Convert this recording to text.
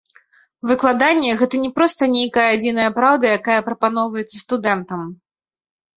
Выкладанне гэта не проста нейкая адзіная праўда, якая прапаноўваецца студэнтам.